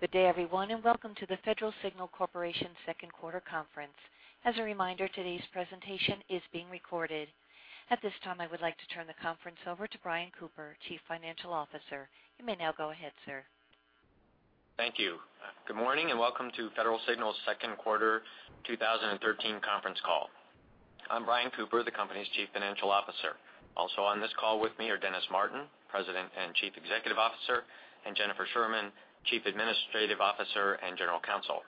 Good day, everyone, and welcome to the Federal Signal Corporation second quarter conference. As a reminder, today's presentation is being recorded. At this time, I would like to turn the conference over to Brian Cooper, Chief Financial Officer. You may now go ahead, sir. Thank you. Good morning and welcome to Federal Signal's second quarter 2013 conference call. I'm Brian Cooper, the company's Chief Financial Officer. Also on this call with me are Dennis Martin, President and Chief Executive Officer, and Jennifer Sherman, Chief Administrative Officer and General Counsel.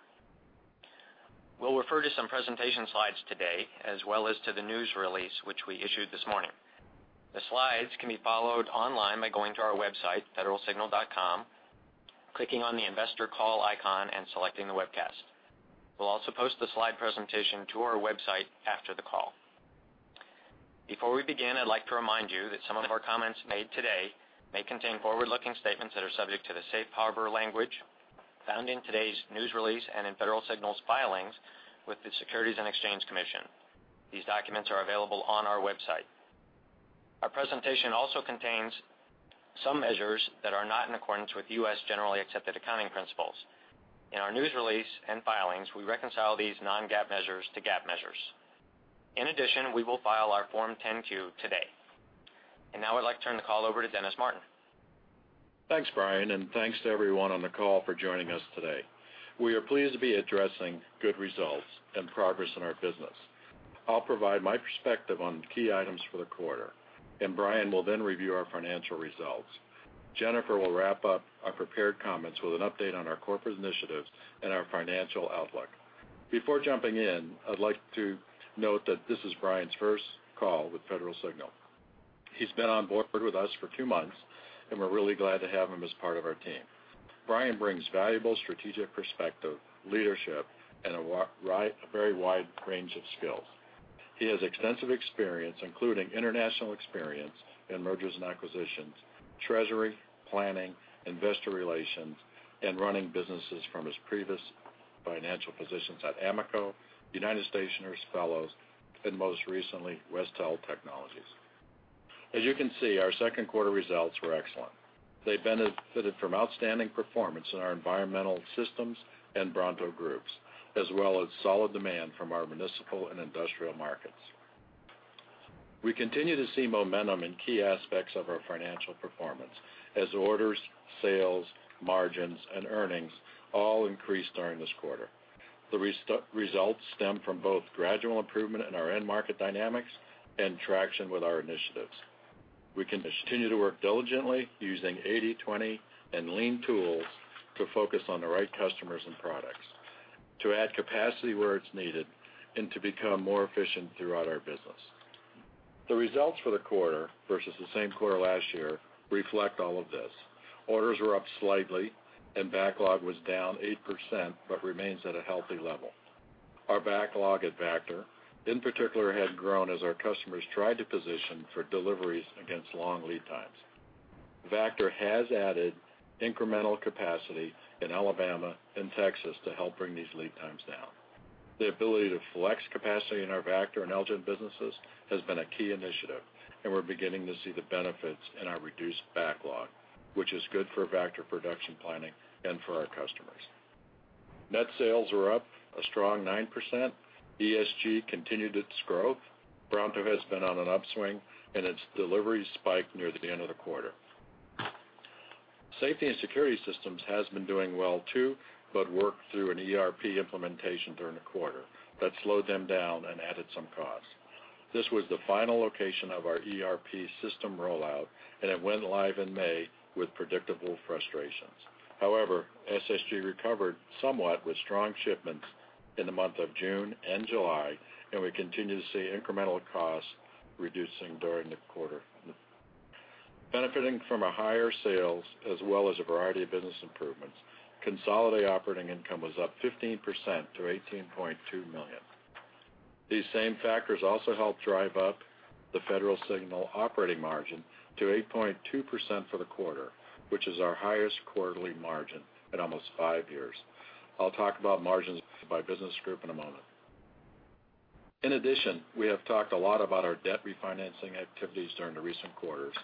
We'll refer to some presentation slides today, as well as to the news release which we issued this morning. The slides can be followed online by going to our website, federalsignal.com, clicking on the investor call icon, and selecting the webcast. We'll also post the slide presentation to our website after the call. Before we begin, I'd like to remind you that some of our comments made today may contain forward-looking statements that are subject to the safe harbor language found in today's news release and in Federal Signal's filings with the Securities and Exchange Commission. These documents are available on our website. Our presentation also contains some measures that are not in accordance with U.S. Generally Accepted Accounting Principles. In our news release and filings, we reconcile these non-GAAP measures to GAAP measures. In addition, we will file our Form 10-Q today. Now I'd like to turn the call over to Dennis Martin. Thanks, Brian, and thanks to everyone on the call for joining us today. We are pleased to be addressing good results and progress in our business. I'll provide my perspective on key items for the quarter, and Brian will then review our financial results. Jennifer will wrap up our prepared comments with an update on our corporate initiatives and our financial outlook. Before jumping in, I'd like to note that this is Brian's first call with Federal Signal. He's been on board with us for two months, and we're really glad to have him as part of our team. Brian brings valuable strategic perspective, leadership, and a very wide range of skills. He has extensive experience, including international experience in mergers and acquisitions, treasury, planning, investor relations, and running businesses from his previous financial positions at Amoco, United Stationers, Fellowes, and most recently, Westell Technologies. As you can see, our second quarter results were excellent. They benefited from outstanding performance in our Environmental Solutions Group and Bronto groups, as well as solid demand from our municipal and industrial markets. We continue to see momentum in key aspects of our financial performance as orders, sales, margins, and earnings all increased during this quarter. The results stem from both gradual improvement in our end market dynamics and traction with our initiatives. We continue to work diligently using 80-20 and Lean tools to focus on the right customers and products, to add capacity where it's needed, and to become more efficient throughout our business. The results for the quarter versus the same quarter last year reflect all of this. Orders were up slightly and backlog was down 8%, but remains at a healthy level. Our backlog at Vactor, in particular, had grown as our customers tried to position for deliveries against long lead times. Vactor has added incremental capacity in Alabama and Texas to help bring these lead times down. The ability to flex capacity in our Vactor and Elgin businesses has been a key initiative, and we're beginning to see the benefits in our reduced backlog, which is good for Vactor production planning and for our customers. Net sales were up a strong 9%. ESG continued its growth. Bronto has been on an upswing, and its deliveries spiked near the end of the quarter. Safety and Security Systems has been doing well, too, but worked through an ERP implementation during the quarter that slowed them down and added some costs. This was the final location of our ERP system rollout, and it went live in May with predictable frustrations. SSG recovered somewhat with strong shipments in the month of June and July, and we continue to see incremental costs reducing during the quarter. Benefiting from higher sales as well as a variety of business improvements, consolidated operating income was up 15% to $18.2 million. These same factors also helped drive up the Federal Signal operating margin to 8.2% for the quarter, which is our highest quarterly margin in almost five years. I'll talk about margins by business group in a moment. We have talked a lot about our debt refinancing activities during the recent quarters,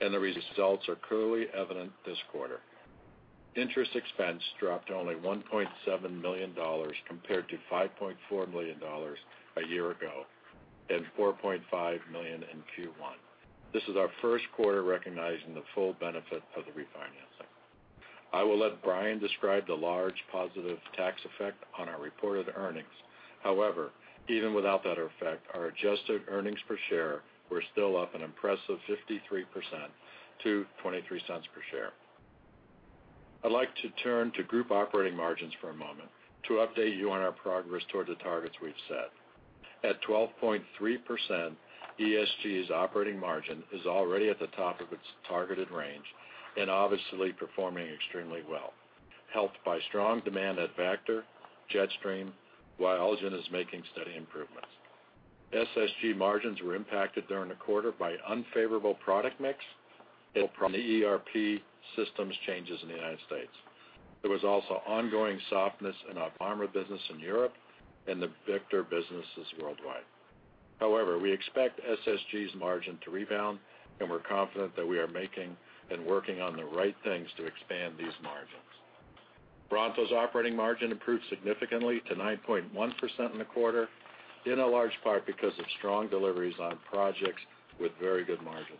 and the results are clearly evident this quarter. Interest expense dropped to only $1.7 million compared to $5.4 million a year ago and $4.5 million in Q1. This is our first quarter recognizing the full benefit of the refinancing. I will let Brian describe the large positive tax effect on our reported earnings. Even without that effect, our adjusted earnings per share were still up an impressive 53% to $0.23 per share. I'd like to turn to group operating margins for a moment to update you on our progress toward the targets we've set. At 12.3%, ESG's operating margin is already at the top of its targeted range and obviously performing extremely well, helped by strong demand at Vactor, Jetstream, while Elgin is making steady improvements. SSG margins were impacted during the quarter by unfavorable product mix and the ERP systems changes in the United States. There was also ongoing softness in our pharma business in Europe and the Vactor businesses worldwide. We expect SSG's margin to rebound, and we're confident that we are making and working on the right things to expand these margins. Bronto's operating margin improved significantly to 9.1% in the quarter, in a large part because of strong deliveries on projects with very good margins.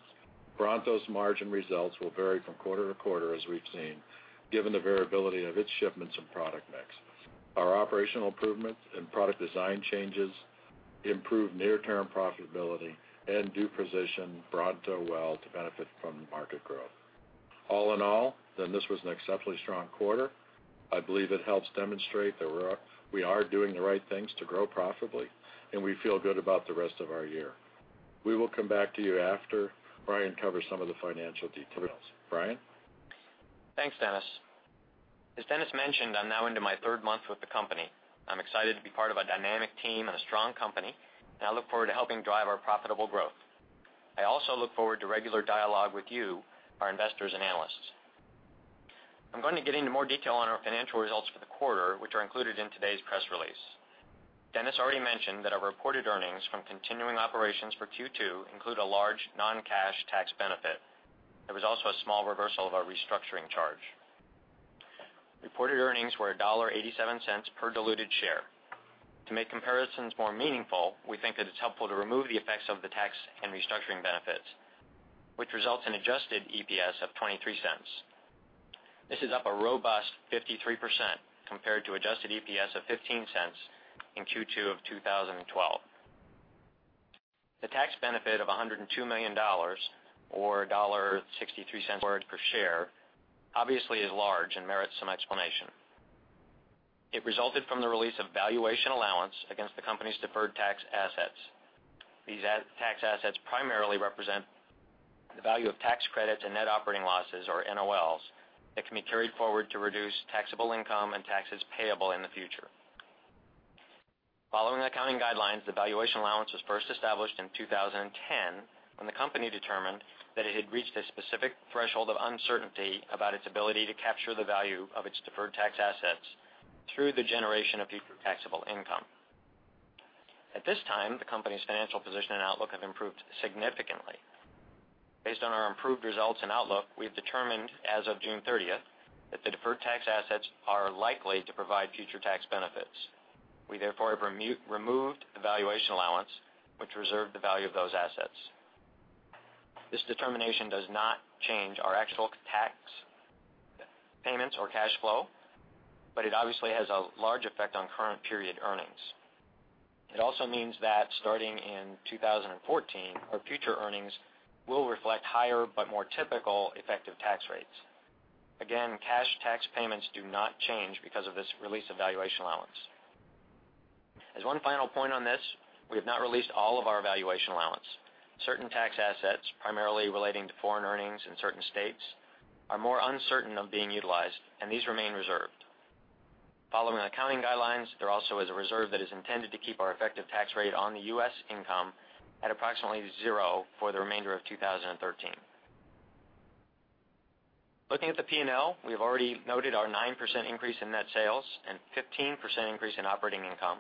Bronto's margin results will vary from quarter to quarter, as we've seen, given the variability of its shipments and product mix. Our operational improvements and product design changes improve near-term profitability and do position Bronto well to benefit from market growth. All in all, this was an exceptionally strong quarter. I believe it helps demonstrate that we are doing the right things to grow profitably, and we feel good about the rest of our year. We will come back to you after Brian covers some of the financial details. Brian? Thanks, Dennis. As Dennis mentioned, I'm now into my third month with the company. I'm excited to be part of a dynamic team and a strong company, and I look forward to helping drive our profitable growth. I also look forward to regular dialogue with you, our investors and analysts. I'm going to get into more detail on our financial results for the quarter, which are included in today's press release. Dennis already mentioned that our reported earnings from continuing operations for Q2 include a large non-cash tax benefit. There was also a small reversal of our restructuring charge. Reported earnings were $1.87 per diluted share. To make comparisons more meaningful, we think that it's helpful to remove the effects of the tax and restructuring benefits, which results in adjusted EPS of $0.23. This is up a robust 53% compared to adjusted EPS of $0.15 in Q2 of 2012. The tax benefit of $102 million, or $1.63 per share, obviously is large and merits some explanation. It resulted from the release of valuation allowance against the company's deferred tax assets. These tax assets primarily represent the value of tax credits and Net Operating Losses, or NOLs, that can be carried forward to reduce taxable income and taxes payable in the future. Following the accounting guidelines, the valuation allowance was first established in 2010, when the company determined that it had reached a specific threshold of uncertainty about its ability to capture the value of its deferred tax assets through the generation of future taxable income. At this time, the company's financial position and outlook have improved significantly. Based on our improved results and outlook, we have determined as of June 30th, that the deferred tax assets are likely to provide future tax benefits. We therefore have removed the valuation allowance, which reserved the value of those assets. This determination does not change our actual tax payments or cash flow, but it obviously has a large effect on current period earnings. It also means that starting in 2014, our future earnings will reflect higher but more typical effective tax rates. Again, cash tax payments do not change because of this release of valuation allowance. As one final point on this, we have not released all of our valuation allowance. Certain tax assets, primarily relating to foreign earnings in certain states, are more uncertain of being utilized, and these remain reserved. Following the accounting guidelines, there also is a reserve that is intended to keep our effective tax rate on the U.S. income at approximately zero for the remainder of 2013. Looking at the P&L, we have already noted our 9% increase in net sales and 15% increase in operating income,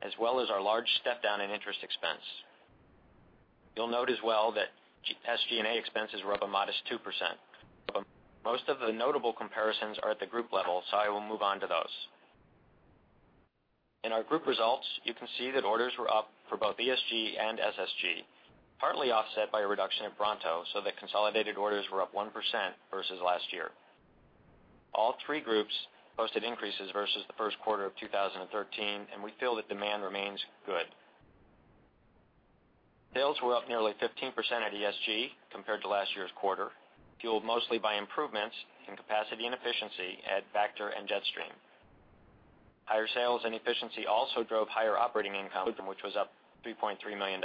as well as our large step down in interest expense. You'll note as well that SG&A expenses were up a modest 2%. I will move on to those. In our group results, you can see that orders were up for both ESG and SSG, partly offset by a reduction at Bronto, that consolidated orders were up 1% versus last year. All three groups posted increases versus the first quarter of 2013, and we feel that demand remains good. Sales were up nearly 15% at ESG compared to last year's quarter, fueled mostly by improvements in capacity and efficiency at Vactor and Jetstream. Higher sales and efficiency also drove higher operating income, which was up $3.3 million.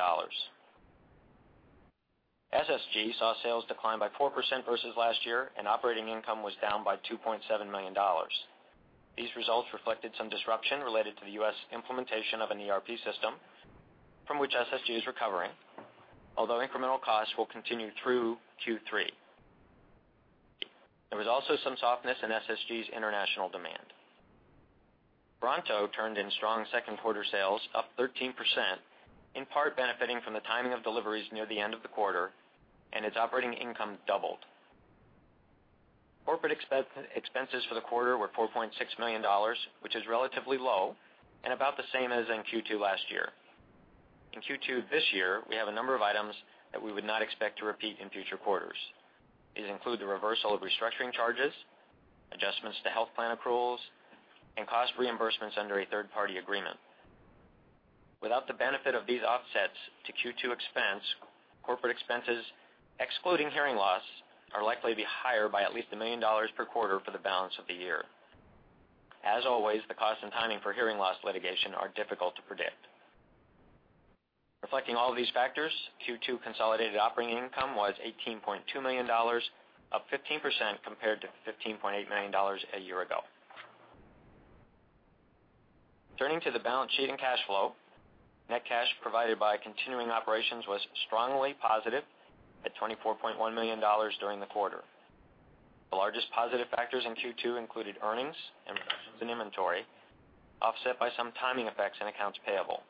SSG saw sales decline by 4% versus last year, and operating income was down by $2.7 million. These results reflected some disruption related to the U.S. implementation of an ERP system from which SSG is recovering, although incremental costs will continue through Q3. There was also some softness in SSG's international demand. Bronto turned in strong second quarter sales, up 13%, in part benefiting from the timing of deliveries near the end of the quarter, and its operating income doubled. Corporate expenses for the quarter were $4.6 million, which is relatively low and about the same as in Q2 last year. In Q2 this year, we have a number of items that we would not expect to repeat in future quarters. These include the reversal of restructuring charges, adjustments to health plan accruals, and cost reimbursements under a third-party agreement. Without the benefit of these offsets to Q2 expense, corporate expenses, excluding hearing loss, are likely to be higher by at least $1 million per quarter for the balance of the year. As always, the cost and timing for hearing loss litigation are difficult to predict. Reflecting all of these factors, Q2 consolidated operating income was $18.2 million, up 15% compared to $15.8 million a year ago. Turning to the balance sheet and cash flow, net cash provided by continuing operations was strongly positive at $24.1 million during the quarter. The largest positive factors in Q2 included earnings, improvements in inventory, offset by some timing effects in accounts payable.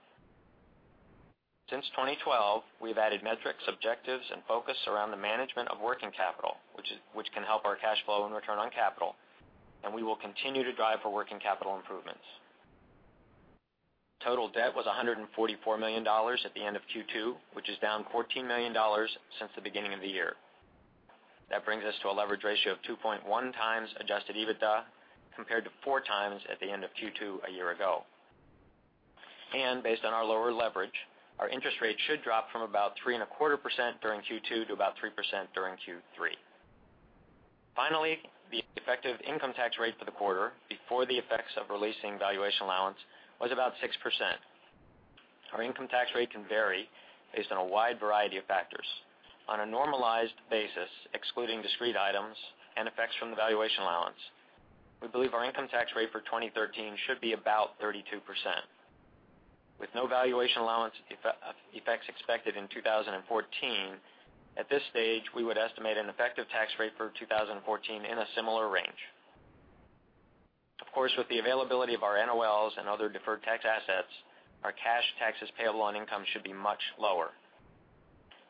Since 2012, we've added metrics, objectives, and focus around the management of working capital, which can help our cash flow and return on capital, and we will continue to drive for working capital improvements. Total debt was $144 million at the end of Q2, which is down $14 million since the beginning of the year. That brings us to a leverage ratio of 2.1 times adjusted EBITDA, compared to 4 times at the end of Q2 a year ago. Based on our lower leverage, our interest rate should drop from about 3.25% during Q2 to about 3% during Q3. Finally, the effective income tax rate for the quarter, before the effects of releasing valuation allowance, was about 6%. Our income tax rate can vary based on a wide variety of factors. On a normalized basis, excluding discrete items and effects from the valuation allowance, we believe our income tax rate for 2013 should be about 32%. With no valuation allowance effects expected in 2014, at this stage, we would estimate an effective tax rate for 2014 in a similar range. Of course, with the availability of our NOLs and other deferred tax assets, our cash taxes payable on income should be much lower.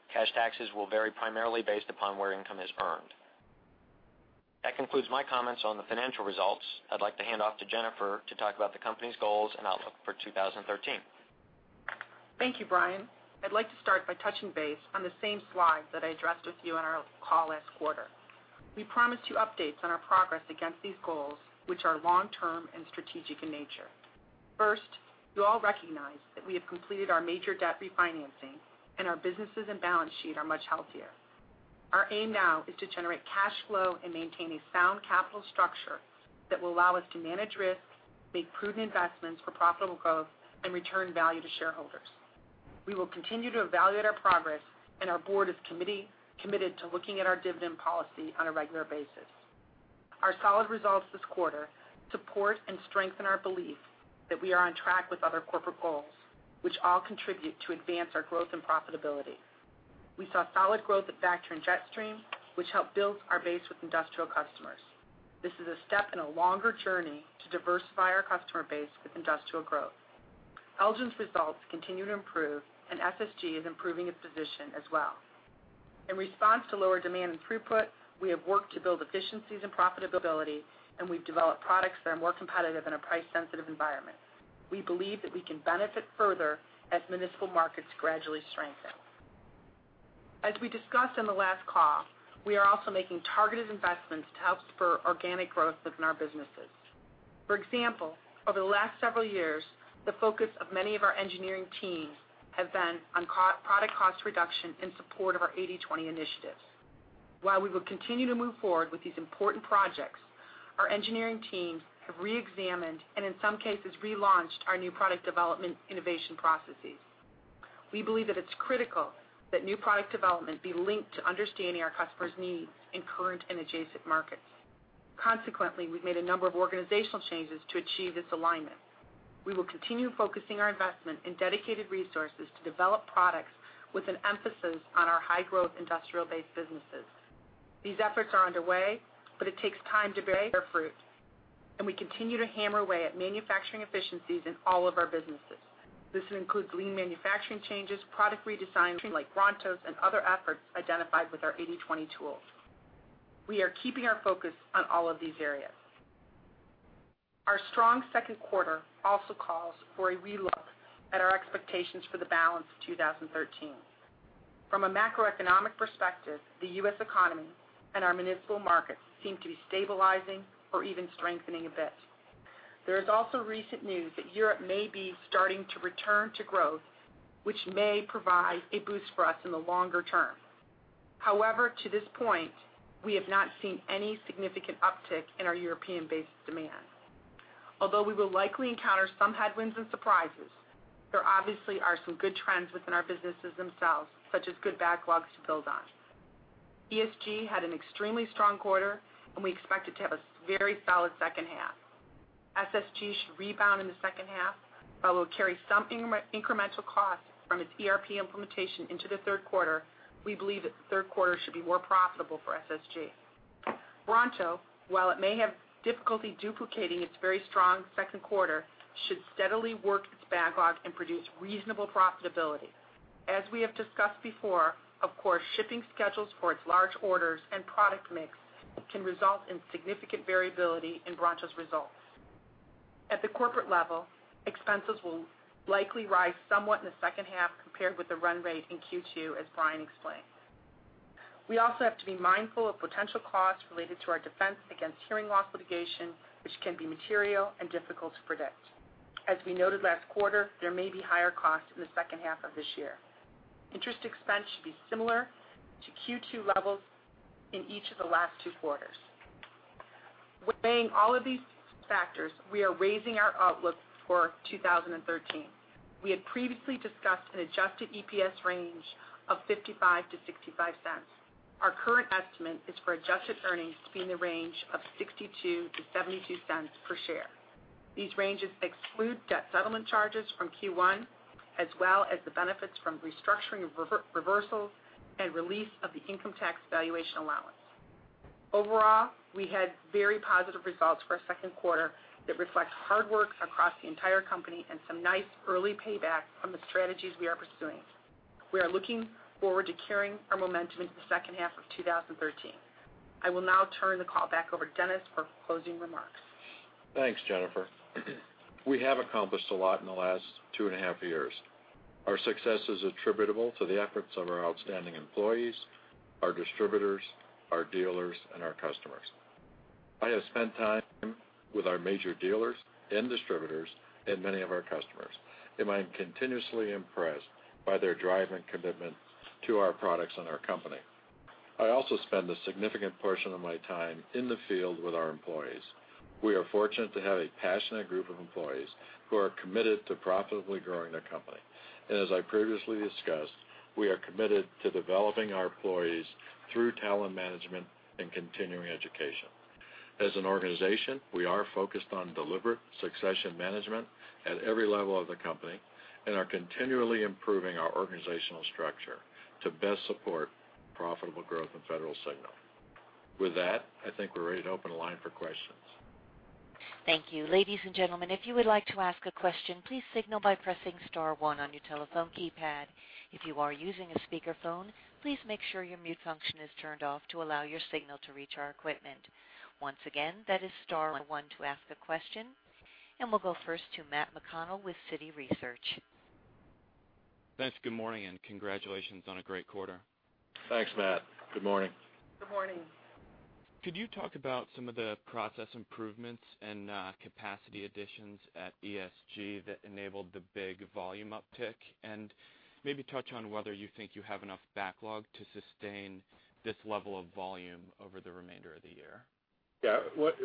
Cash taxes will vary primarily based upon where income is earned. That concludes my comments on the financial results. I'd like to hand off to Jennifer to talk about the company's goals and outlook for 2013. Thank you, Brian. I'd like to start by touching base on the same slide that I addressed with you on our call last quarter. We promised you updates on our progress against these goals, which are long-term and strategic in nature. First, you all recognize that we have completed our major debt refinancing, and our businesses and balance sheet are much healthier. Our aim now is to generate cash flow and maintain a sound capital structure that will allow us to manage risks, make prudent investments for profitable growth, and return value to shareholders. We will continue to evaluate our progress, and our board is committed to looking at our dividend policy on a regular basis. Our solid results this quarter support and strengthen our belief that we are on track with other corporate goals, which all contribute to advance our growth and profitability. We saw solid growth at Vactor and Jetstream, which helped build our base with industrial customers. This is a step in a longer journey to diversify our customer base with industrial growth. Elgin's results continue to improve, and SSG is improving its position as well. In response to lower demand and throughput, we have worked to build efficiencies and profitability, and we've developed products that are more competitive in a price-sensitive environment. We believe that we can benefit further as municipal markets gradually strengthen. As we discussed on the last call, we are also making targeted investments to help spur organic growth within our businesses. For example, over the last several years, the focus of many of our engineering teams has been on product cost reduction in support of our 80-20 initiatives. While we will continue to move forward with these important projects, our engineering teams have re-examined, and in some cases, relaunched our new product development innovation processes. We believe that it's critical that new product development be linked to understanding our customers' needs in current and adjacent markets. Consequently, we've made a number of organizational changes to achieve this alignment. We will continue focusing our investment in dedicated resources to develop products with an emphasis on our high-growth industrial-based businesses. These efforts are underway, but it takes time to bear fruit, and we continue to hammer away at manufacturing efficiencies in all of our businesses. This includes lean manufacturing changes, product redesigns like Bronto's, and other efforts identified with our 80-20 tools. We are keeping our focus on all of these areas. Our strong second quarter also calls for a relook at our expectations for the balance of 2013. From a macroeconomic perspective, the U.S. economy and our municipal markets seem to be stabilizing or even strengthening a bit. There is also recent news that Europe may be starting to return to growth, which may provide a boost for us in the longer term. However, to this point, we have not seen any significant uptick in our European-based demand. Although we will likely encounter some headwinds and surprises, there obviously are some good trends within our businesses themselves, such as good backlogs to build on. ESG had an extremely strong quarter, and we expect it to have a very solid second half. SSG should rebound in the second half. While we'll carry some incremental costs from its ERP implementation into the third quarter, we believe that the third quarter should be more profitable for SSG. Bronto, while it may have difficulty duplicating its very strong second quarter, should steadily work its backlog and produce reasonable profitability. As we have discussed before, of course, shipping schedules for its large orders and product mix can result in significant variability in Bronto's results. At the corporate level, expenses will likely rise somewhat in the second half compared with the run rate in Q2, as Brian explained. We also have to be mindful of potential costs related to our defense against hearing loss litigation, which can be material and difficult to predict. As we noted last quarter, there may be higher costs in the second half of this year. Interest expense should be similar to Q2 levels in each of the last two quarters. Weighing all of these factors, we are raising our outlook for 2013. We had previously discussed an adjusted EPS range of $0.55-$0.65. Our current estimate is for adjusted earnings to be in the range of $0.62-$0.72 per share. These ranges exclude debt settlement charges from Q1, as well as the benefits from restructuring reversals and release of the income tax valuation allowance. Overall, we had very positive results for our second quarter that reflects hard work across the entire company and some nice early payback from the strategies we are pursuing. We are looking forward to carrying our momentum into the second half of 2013. I will now turn the call back over Dennis for closing remarks. Thanks, Jennifer. We have accomplished a lot in the last two and a half years. Our success is attributable to the efforts of our outstanding employees, our distributors, our dealers, and our customers. I have spent time with our major dealers and distributors and many of our customers, and I'm continuously impressed by their drive and commitment to our products and our company. I also spend a significant portion of my time in the field with our employees. We are fortunate to have a passionate group of employees who are committed to profitably growing their company. As I previously discussed, we are committed to developing our employees through talent management and continuing education. As an organization, we are focused on deliberate succession management at every level of the company and are continually improving our organizational structure to best support profitable growth in Federal Signal. With that, I think we're ready to open the line for questions. Thank you. Ladies and gentlemen, if you would like to ask a question, please signal by pressing star one on your telephone keypad. If you are using a speakerphone, please make sure your mute function is turned off to allow your signal to reach our equipment. Once again, that is star one to ask a question. We'll go first to Matt McConnell with Citi Research. Thanks, good morning, and congratulations on a great quarter. Thanks, Matt. Good morning. Good morning. Could you talk about some of the process improvements and capacity additions at ESG that enabled the big volume uptick? Maybe touch on whether you think you have enough backlog to sustain this level of volume over the remainder of the year. Yeah.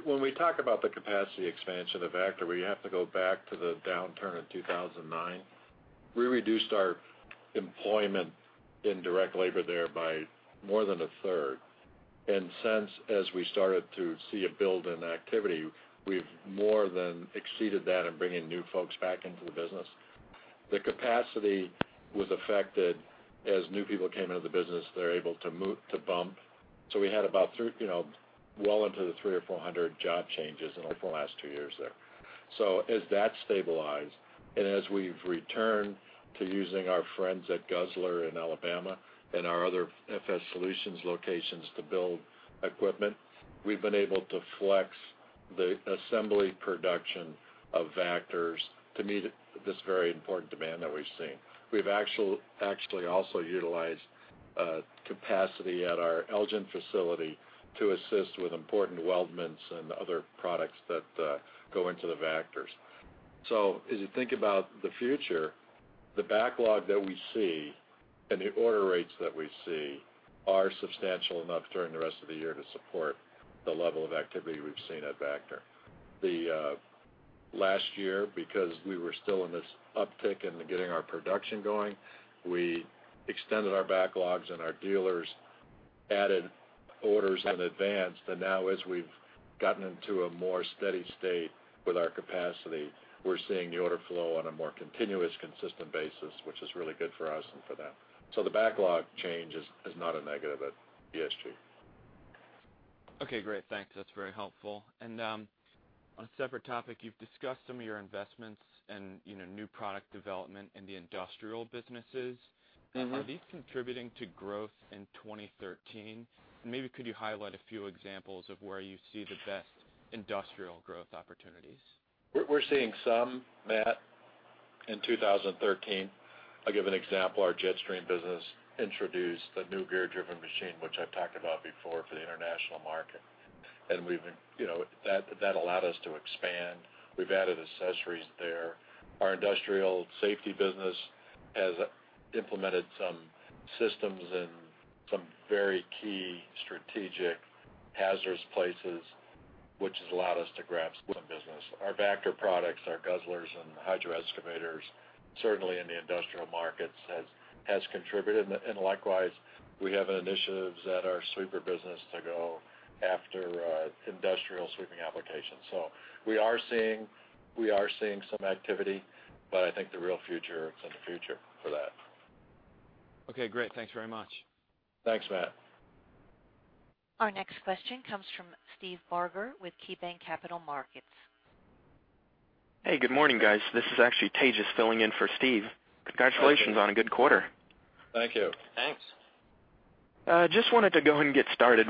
When we talk about the capacity expansion of Vactor, we have to go back to the downturn of 2009. We reduced our employment in direct labor there by more than a third. Since, as we started to see a build in activity, we've more than exceeded that in bringing new folks back into the business. The capacity was affected as new people came into the business, they're able to bump. We had well into the 300 or 400 job changes over the last two years there. As that stabilized, as we've returned to using our friends at Guzzler in Alabama and our other FS Solutions locations to build equipment, we've been able to flex the assembly production of Vactors to meet this very important demand that we've seen. We've actually also utilized capacity at our Elgin facility to assist with important weldments and other products that go into the Vactors. As you think about the future, the backlog that we see and the order rates that we see are substantial enough during the rest of the year to support the level of activity we've seen at Vactor. Last year, because we were still in this uptick into getting our production going, we extended our backlogs and our dealers added orders in advance. Now as we've gotten into a more steady state with our capacity, we're seeing the order flow on a more continuous, consistent basis, which is really good for us and for them. The backlog change is not a negative at ESG. Okay, great. Thanks. That's very helpful. On a separate topic, you've discussed some of your investments and new product development in the industrial businesses. Are these contributing to growth in 2013? Maybe could you highlight a few examples of where you see the best industrial growth opportunities? We're seeing some, Matt, in 2013. I'll give an example. Our Jetstream business introduced a new gear-driven machine, which I've talked about before, for the international market. That allowed us to expand. We've added accessories there. Our industrial safety business has implemented some systems in some very key strategic hazardous places, which has allowed us to grab some business. Our Vactor products, our Guzzler and hydro excavators, certainly in the industrial markets, has contributed. Likewise, we have initiatives at our sweeper business to go after industrial sweeping applications. We are seeing some activity, but I think the real future is in the future for that. Okay, great. Thanks very much. Thanks, Matt. Our next question comes from Steve Barger with KeyBanc Capital Markets. Hey, good morning, guys. This is actually Tejas filling in for Steve. Hi, Tejas. Congratulations on a good quarter. Thank you. Thanks. Just wanted to go ahead and get started.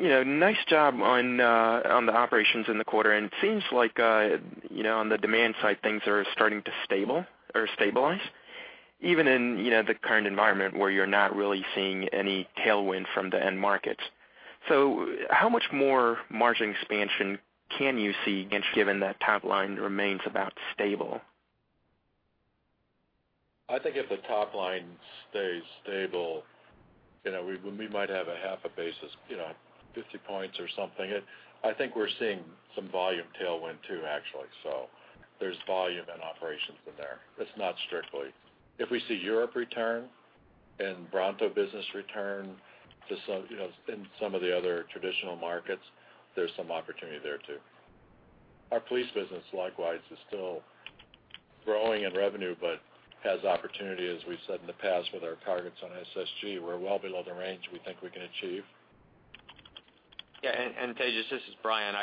Nice job on the operations in the quarter, and it seems like, on the demand side, things are starting to stabilize, even in the current environment where you're not really seeing any tailwind from the end markets. How much more margin expansion can you see, given that top line remains about stable? I think if the top line stays stable, we might have a half a basis, 50 points or something. I think we're seeing some volume tailwind too, actually, so. There's volume in operations in there. It's not strictly. If we see Europe return and Bronto business return in some of the other traditional markets, there's some opportunity there, too. Our police business, likewise, is still growing in revenue, but has opportunity, as we've said in the past, with our targets on SSG. We're well below the range we think we can achieve. Tejas, this is Brian.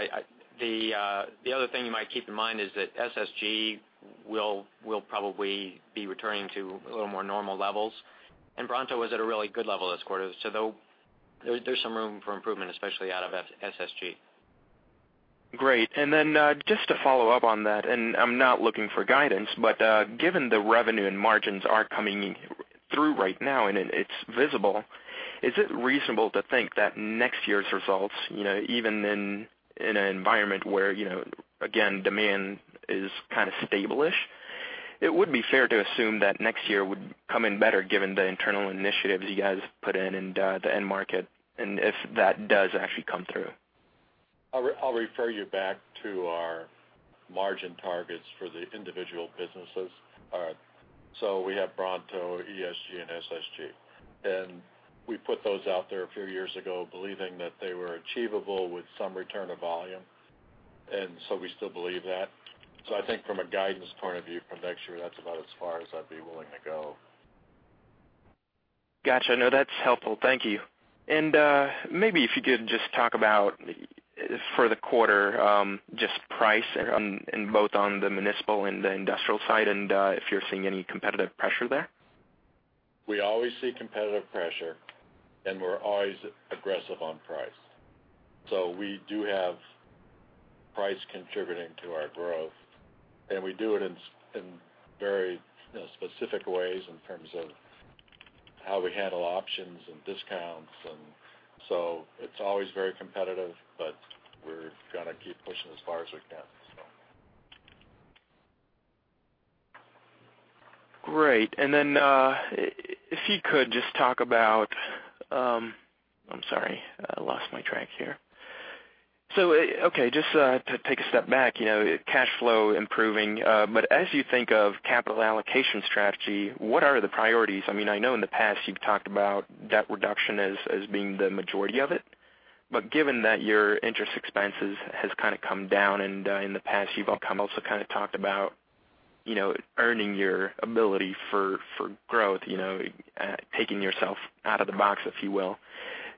The other thing you might keep in mind is that SSG will probably be returning to a little more normal levels. Bronto was at a really good level this quarter, so there's some room for improvement, especially out of SSG. Great. Just to follow up on that, I'm not looking for guidance, Given the revenue and margins are coming through right now, It's visible, is it reasonable to think that next year's results, even in an environment where, again, demand is kind of stable-ish, it would be fair to assume that next year would come in better given the internal initiatives you guys put in and the end market, and if that does actually come through? I'll refer you back to our margin targets for the individual businesses. We have Bronto, ESG, and SSG. We put those out there a few years ago believing that they were achievable with some return of volume. We still believe that. I think from a guidance point of view, for next year, that's about as far as I'd be willing to go. Got you. No, that's helpful. Thank you. Maybe if you could just talk about, for the quarter, just price both on the municipal and the industrial side and if you're seeing any competitive pressure there. We always see competitive pressure, and we're always aggressive on price. We do have price contributing to our growth, and we do it in very specific ways in terms of how we handle options and discounts. It's always very competitive, but we're going to keep pushing as far as we can. Great. I'm sorry, I lost my track here. Okay. Just to take a step back, cash flow improving. As you think of capital allocation strategy, what are the priorities? I know in the past you've talked about debt reduction as being the majority of it. Given that your interest expenses has kind of come down and in the past you've also kind of talked about earning your ability for growth, taking yourself out of the box, if you will.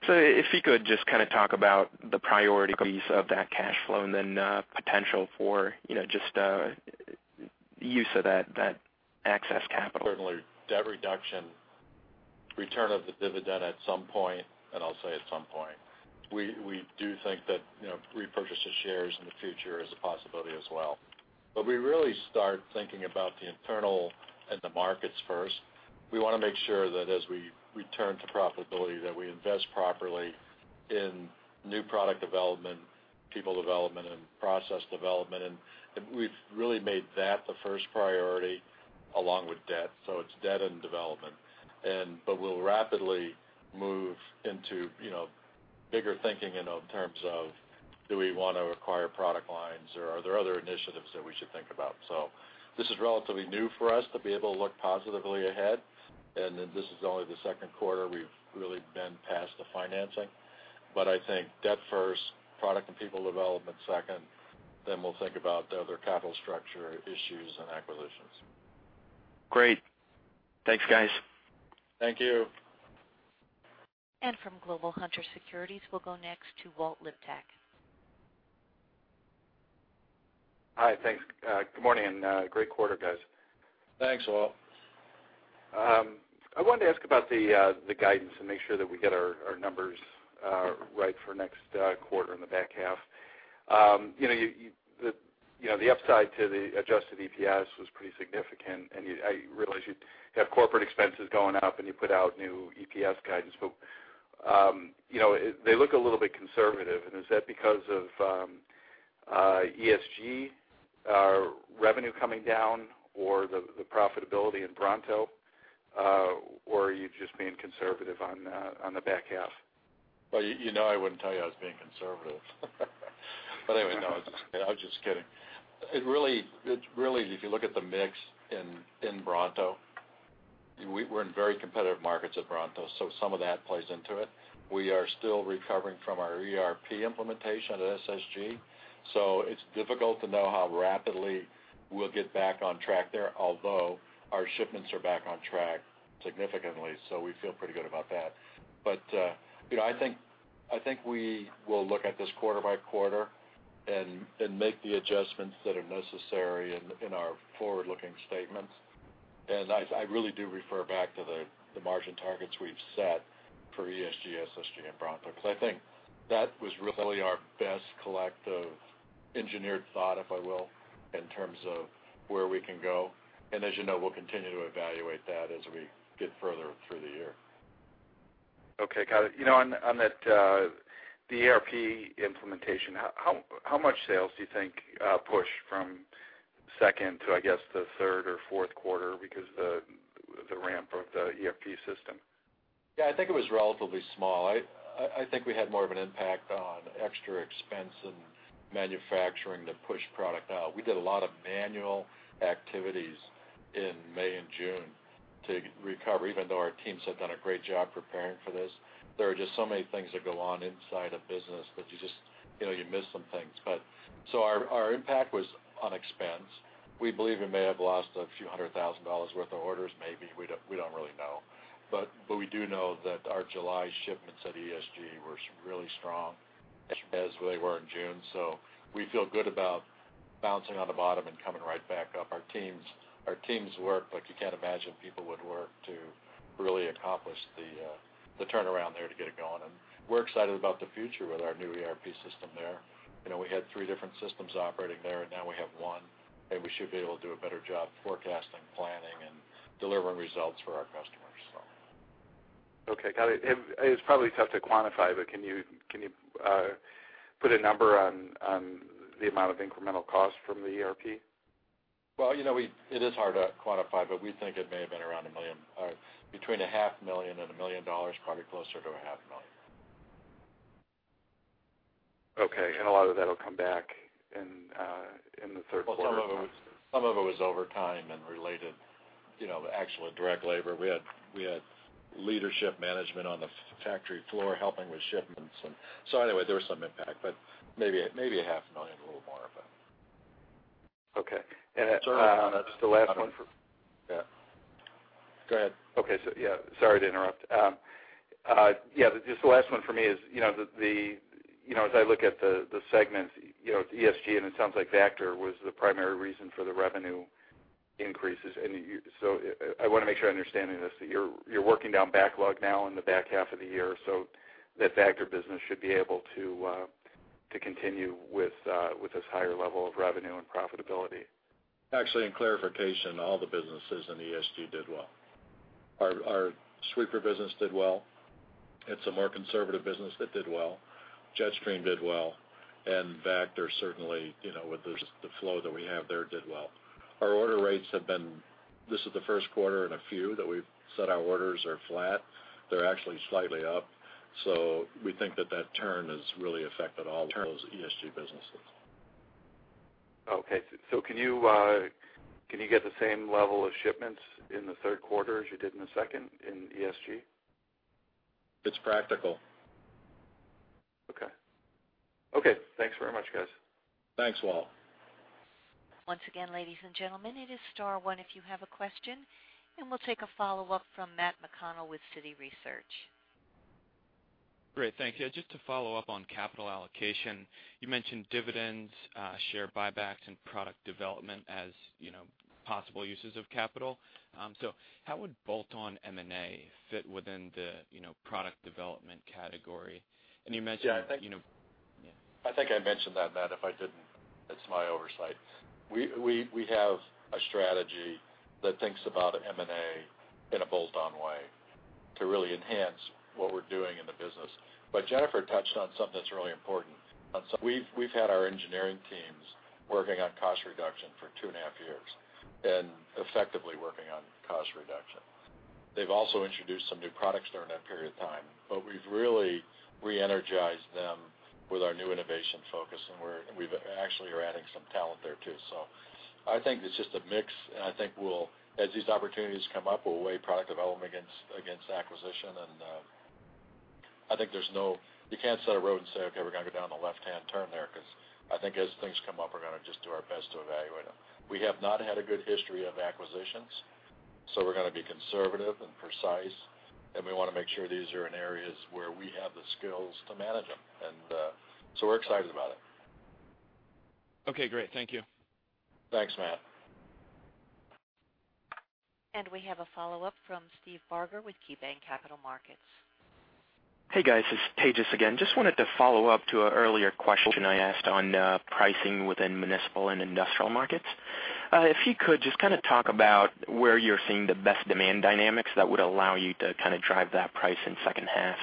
If you could just kind of talk about the priorities of that cash flow and then potential for just use of that excess capital. Certainly debt reduction, return of the dividend at some point, and I'll say at some point. We do think that repurchase of shares in the future is a possibility as well. We really start thinking about the internal and the markets first. We want to make sure that as we return to profitability, that we invest properly in new product development, people development, and process development. We've really made that the first priority along with debt. It's debt and development. We'll rapidly move into bigger thinking in terms of do we want to acquire product lines or are there other initiatives that we should think about? This is relatively new for us to be able to look positively ahead. This is only the second quarter we've really been past the financing. I think debt first, product and people development second, we'll think about the other capital structure issues and acquisitions. Great. Thanks, guys. Thank you. From Global Hunter Securities, we'll go next to Walt Liptak. Hi, thanks. Good morning, and great quarter, guys. Thanks, Walt. I wanted to ask about the guidance and make sure that we get our numbers right for next quarter and the back half. The upside to the adjusted EPS was pretty significant, and I realize you have corporate expenses going up, and you put out new EPS guidance, but they look a little bit conservative. Is that because of ESG revenue coming down or the profitability in Bronto? Are you just being conservative on the back half? You know I wouldn't tell you I was being conservative. Anyway, no, I was just kidding. If you look at the mix in Bronto, we're in very competitive markets at Bronto, so some of that plays into it. We are still recovering from our ERP implementation at SSG, so it's difficult to know how rapidly we'll get back on track there. Although our shipments are back on track significantly, so we feel pretty good about that. I think we will look at this quarter by quarter and make the adjustments that are necessary in our forward-looking statements. I really do refer back to the margin targets we've set for ESG, SSG, and Bronto, because I think that was really our best collective engineered thought, if I will, in terms of where we can go. As you know, we'll continue to evaluate that as we get further through the year. Okay, got it. On the ERP implementation, how much sales do you think push from second to, I guess, the third or fourth quarter? Because the ERP system. Yeah, I think it was relatively small. I think we had more of an impact on extra expense and manufacturing to push product out. We did a lot of manual activities in May and June to recover, even though our teams have done a great job preparing for this. There are just so many things that go on inside a business that you miss some things. Our impact was on expense. We believe we may have lost a few hundred thousand dollars worth of orders, maybe. We don't really know. We do know that our July shipments at ESG were really strong, as they were in June. We feel good about bouncing on the bottom and coming right back up. Our teams work like you can't imagine people would work to really accomplish the turnaround there to get it going, and we're excited about the future with our new ERP system there. We had three different systems operating there, and now we have one, and we should be able to do a better job forecasting, planning, and delivering results for our customers. Okay, got it. It's probably tough to quantify, but can you put a number on the amount of incremental cost from the ERP? Well, it is hard to quantify, but we think it may have been around $1 million. Between a half million and $1 million, probably closer to a half million. Okay, a lot of that'll come back in the third quarter. Well, some of it was overtime and related, actual direct labor. We had leadership management on the factory floor helping with shipments. Anyway, there was some impact, but maybe a half million, a little more. Okay. Just the last one for- Yeah. Go ahead. Okay. Yeah, sorry to interrupt. Yeah, just the last one for me is, as I look at the segments, ESG, it sounds like Vactor was the primary reason for the revenue increases. I want to make sure I'm understanding this, that you're working down backlog now in the back half of the year, so that Vactor business should be able to continue with this higher level of revenue and profitability. Actually, in clarification, all the businesses in ESG did well. Our sweeper business did well. It's a more conservative business that did well. Jetstream did well. Vactor certainly, with the flow that we have there, did well. Our order rates, this is the first quarter in a few that we've said our orders are flat. They're actually slightly up. We think that that turn has really affected all turns of ESG businesses. Okay. Can you get the same level of shipments in the third quarter as you did in the second in ESG? It's practical. Okay. Okay, thanks very much, guys. Thanks, Walt. Once again, ladies and gentlemen, it is star one if you have a question, and we'll take a follow-up from Matt McConnell with Citi Research. Great. Thank you. Just to follow up on capital allocation, you mentioned dividends, share buybacks, and product development as possible uses of capital. How would bolt-on M&A fit within the product development category? You mentioned- Yeah, I think- Yeah. I think I mentioned that, Matt. If I didn't, it's my oversight. We have a strategy that thinks about M&A in a bolt-on way to really enhance what we're doing in the business. Jennifer touched on something that's really important. We've had our engineering teams working on cost reduction for two and a half years, and effectively working on cost reduction. They've also introduced some new products during that period of time, but we've really re-energized them with our new innovation focus, and we actually are adding some talent there, too. I think it's just a mix, and I think as these opportunities come up, we'll weigh product development against acquisition, and I think you can't set a road and say, "Okay, we're going to go down the left-hand turn there," because I think as things come up, we're going to just do our best to evaluate them. We have not had a good history of acquisitions, so we're going to be conservative and precise, and we want to make sure these are in areas where we have the skills to manage them. We're excited about it. Okay, great. Thank you. Thanks, Matt. We have a follow-up from Steve Barger with KeyBanc Capital Markets. Hey, guys, this is Tejas again. Just wanted to follow up to an earlier question I asked on pricing within municipal and industrial markets. If you could, just kind of talk about where you're seeing the best demand dynamics that would allow you to kind of drive that price in second half.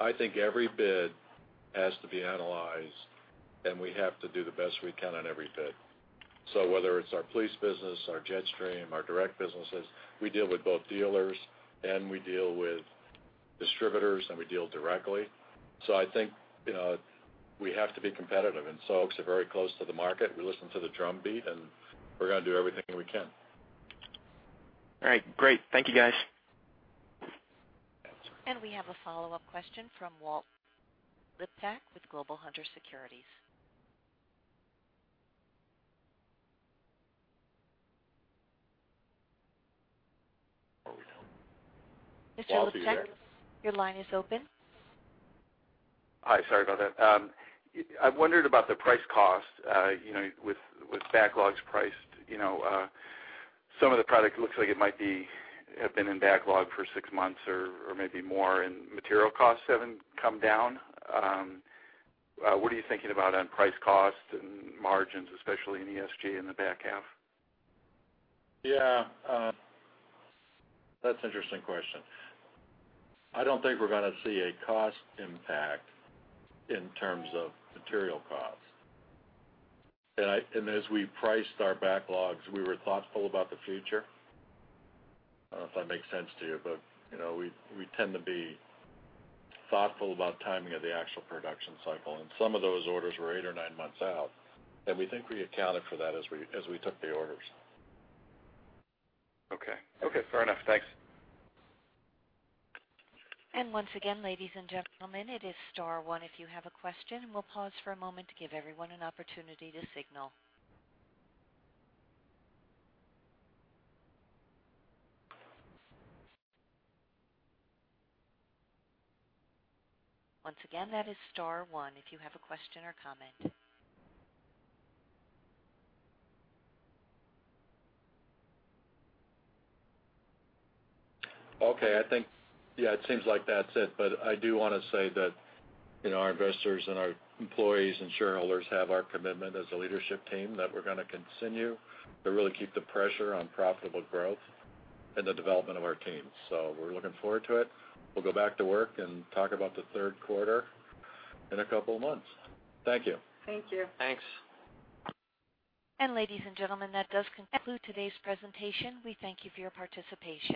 I think every bid has to be analyzed, and we have to do the best we can on every bid. Whether it's our police business, our Jetstream, our direct businesses, we deal with both dealers, and we deal with distributors, and we deal directly. I think we have to be competitive, and folks are very close to the market. We listen to the drumbeat, and we're going to do everything we can. All right, great. Thank you, guys. We have a follow-up question from Walt Liptak with Global Hunter Securities. Mr. Liptak, your line is open. Hi, sorry about that. I wondered about the price cost with backlogs priced. Some of the product looks like it might have been in backlog for six months or maybe more, and material costs haven't come down. What are you thinking about on price cost and margins, especially in ESG in the back half? Yeah. That's an interesting question. I don't think we're going to see a cost impact in terms of material costs. As we priced our backlogs, we were thoughtful about the future. I don't know if that makes sense to you, but we tend to be thoughtful about timing of the actual production cycle, and some of those orders were eight or nine months out. We think we accounted for that as we took the orders. Okay. Fair enough. Thanks. Once again, ladies and gentlemen, it is star one if you have a question. We'll pause for a moment to give everyone an opportunity to signal. Once again, that is star one if you have a question or comment. Okay, I think it seems like that's it. I do want to say that our investors and our employees and shareholders have our commitment as a leadership team that we're going to continue to really keep the pressure on profitable growth and the development of our team. We're looking forward to it. We'll go back to work and talk about the third quarter in a couple of months. Thank you. Thank you. Thanks. Ladies and gentlemen, that does conclude today's presentation. We thank you for your participation.